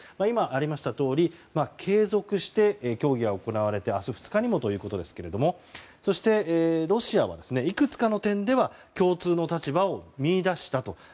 今、ありましたとおり継続して協議が行われて明日２日にもということですがそしてロシアはいくつかの点では共通の立場を見出したと。